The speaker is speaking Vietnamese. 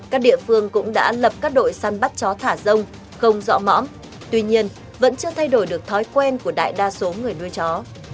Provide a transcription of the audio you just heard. các địa phương cũng đã lập các đội săn bắt chó thả rông không dọ mõm tuy nhiên vẫn chưa thay đổi được thói quen của đại đa số người nuôi chó